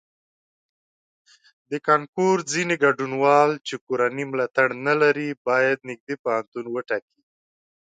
د کانکور ځینې ګډونوال چې کورنی ملاتړ نه لري باید نږدې پوهنتون وټاکي.